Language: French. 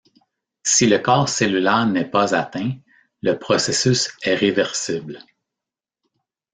Si le corps cellulaire n'est pas atteint, le processus est réversible.